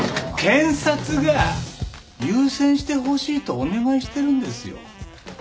検察が優先してほしいとお願いしてるんですよ。